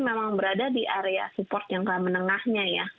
memang berada di area support yang kemenengahnya ya